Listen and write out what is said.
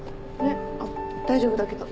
あっ大丈夫だけど。